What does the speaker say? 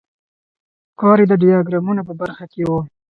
کار یې د ډیاګرامونو په برخه کې و.